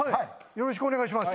よろしくお願いします。